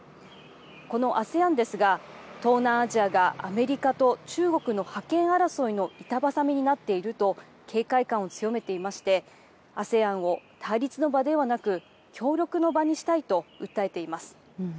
このＡＳＥＡＮですが、東南アジアがアメリカと中国の覇権争いの板挟みになっていると警戒感を強めていまして、ＡＳＥＡＮを対立の場ではなく協力の場にしたいと訴えています。